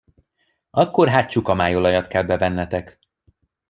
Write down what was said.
Akkor hát csukamájolajat kell bevennetek!